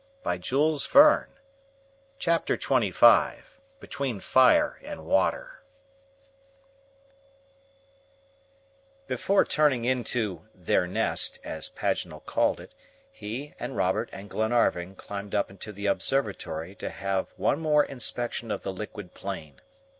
I haven't one!'" CHAPTER XXV BETWEEN FIRE AND WATER BEFORE turning into "their nest," as Paganel had called it, he, and Robert, and Glenarvan climbed up into the observatory to have one more inspection of the liquid plain.